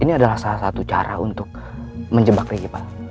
ini adalah salah satu cara untuk menjebak rigi pak